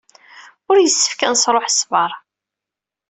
Ur yessefk ad nesṛuḥ ṣṣber.